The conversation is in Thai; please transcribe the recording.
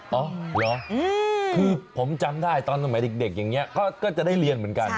อ๋อเหรอคือผมจำได้ตอนสมัยเด็กอย่างนี้ก็จะได้เรียนเหมือนกัน